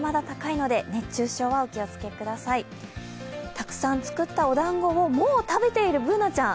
たくさん作ったおだんごをもう食べているＢｏｏｎａちゃん。